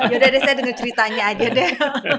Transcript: yaudah deh saya denger ceritanya aja deh